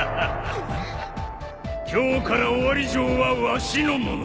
今日からオワリ城はわしのもの。